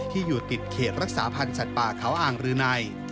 อยู่ติดเขตรักษาพันธ์สัตว์ป่าเขาอ่างรืนัย